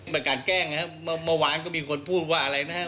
เป็นการแกล้งนะฮะเมื่อวานก็มีคนพูดว่าอะไรนะฮะ